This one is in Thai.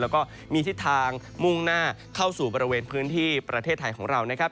แล้วก็มีทิศทางมุ่งหน้าเข้าสู่บริเวณพื้นที่ประเทศไทยของเรานะครับ